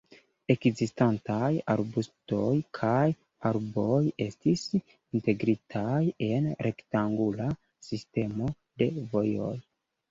Ekzistantaj arbustoj kaj arboj estis integritaj en rektangula sistemo de vojoj.